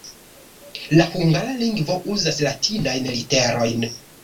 La hungara lingvo uzas latinajn literojn.